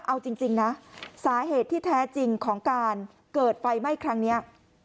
เอาจริงนะสาเหตุที่แท้จริงของการเกิดไฟไหม้ครั้งนี้